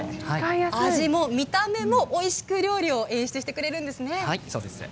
味も見た目もおいしく料理を演出してくれるんですね。